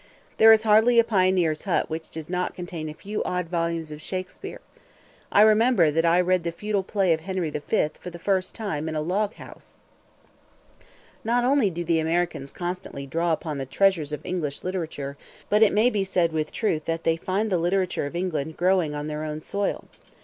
There is hardly a pioneer's hut which does not contain a few odd volumes of Shakespeare. I remember that I read the feudal play of Henry V for the first time in a loghouse. Not only do the Americans constantly draw upon the treasures of English literature, but it may be said with truth that they find the literature of England growing on their own soil.